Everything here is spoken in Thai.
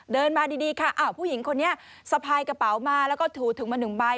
เดินมาดีค่ะผู้หญิงคนนี้สะพายกระเป๋ามาแล้วก็ถูถึงมา๑ใบ